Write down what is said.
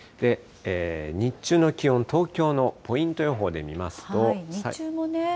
日中の気温、東京のポイント予報で見ますと。